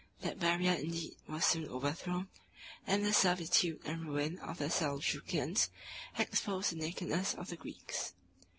36 That barrier indeed was soon overthrown; and the servitude and ruin of the Seljukians exposed the nakedness of the Greeks.